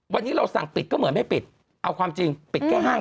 วันนี้เราสั่งปิดก็เหมือนไม่ปิดเอาความจริงปิดแค่ห้าง